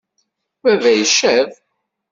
Baba icab.